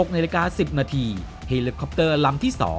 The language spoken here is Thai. ๖นาฬิกา๑๐นาทีเฮลิคอปเตอร์ลำที่๒